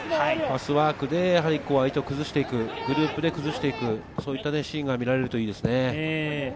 パスワークで相手を崩して行く、グループで崩して行く、そういったシーンが見られるといいですね。